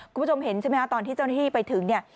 คุณผู้ชมเห็นใช่ไหมฮะตอนที่เจ้าหน้าที่ไปถึงเนี่ย